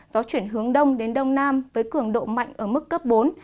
gió chuyển hướng đông đến đông nam với cường độ mạnh ở mức cấp bốn